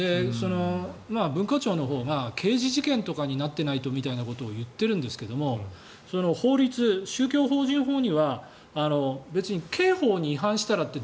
文化庁のほうが刑事事件になってないとって言っているんですけども宗教法人法には別に刑法に違反したらって